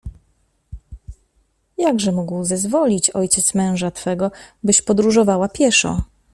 Jakże mógł zezwolić ojciec męża twego, byś podróżowała pieszo?